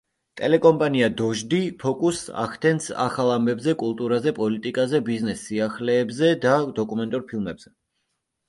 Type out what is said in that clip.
ტელეკომპანია დოჟდი ფოკუსს ახდენს ახალ ამბებზე, კულტურაზე, პოლიტიკაზე, ბიზნეს სიახლეებზე და დოკუმენტურ ფილმებზე.